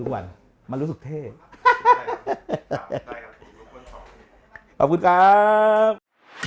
วันมันรู้สึกเท่ขอบคุณครับ